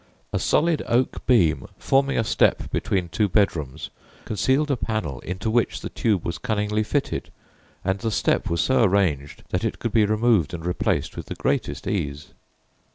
A solid oak beam, forming a step between two bedrooms, concealed a panel into which the tube was cunningly fitted and the step was so arranged that it could be removed and replaced with the greatest ease.